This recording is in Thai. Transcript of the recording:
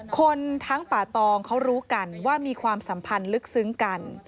คนทั้งป่าตองเขารู้กันว่ามีความสัมพันธ์ลึกซึ้งกัน